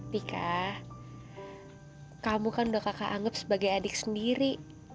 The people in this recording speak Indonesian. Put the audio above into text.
tika kamu kan udah kakak anggap sebagai adik sendiri